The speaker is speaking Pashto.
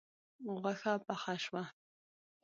غوښه پخه شوه